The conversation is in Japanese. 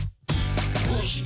「どうして？